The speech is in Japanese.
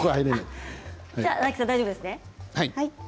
大吉さん、大丈夫ですね。